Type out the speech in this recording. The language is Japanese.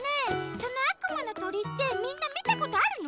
そのあくまのとりってみんなみたことあるの？